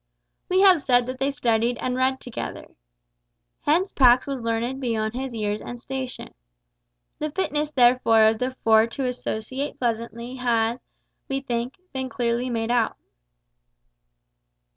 We have said that they studied and read together. Hence Pax was learned beyond his years and station. The fitness therefore of the four to associate pleasantly has, we think, been clearly made out.